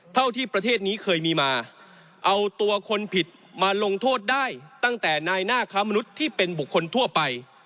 เท่าที่ประเทศนี้เคยมีมาเอาตัวคนผิดมาลงโทษได้ตั้งแต่นายหน้าค้ามนุษย์ที่เป็นบุคคลทั่วไป